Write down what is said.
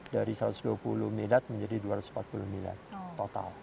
dari satu ratus dua puluh miliar menjadi dua ratus empat puluh miliar total